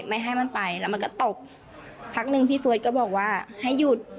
ไม่ให้มันไปแล้วมันก็ตกพักหนึ่งพี่เฟิร์สก็บอกว่าให้หยุด